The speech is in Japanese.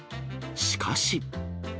しかし。